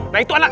nah itu anak